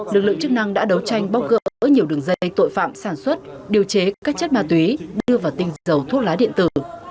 lực lượng chức năng đã đấu tranh bóc gỡ nhiều đường dây tội phạm sản xuất điều chế các chất ma túy đưa vào tinh dầu thuốc lá điện tử